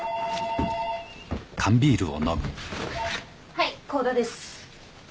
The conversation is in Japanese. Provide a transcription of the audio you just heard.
☎はい香田です。